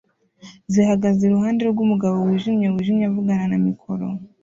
zihagaze iruhande rwumugabo wijimye wijimye avugana na mikoro